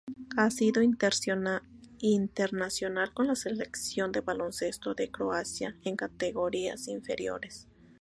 Ha sido internacional con la Selección de baloncesto de Croacia en categorías inferiores.